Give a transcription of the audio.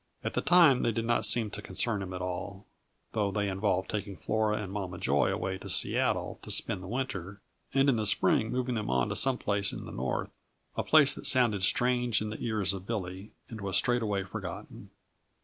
At the time they did not seem to concern him at all, though they involved taking Flora and Mama Joy away to Seattle to spend the winter, and in the spring moving them on to some place in the North a place that sounded strange in the ears of Billy, and was straightway forgotten.